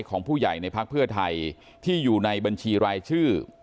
ของผู้ใหญ่ในพักเพื่อไทยที่อยู่ในบัญชีรายชื่อ